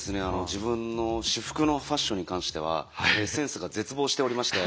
自分の私服のファッションに関してはセンスが絶望しておりまして。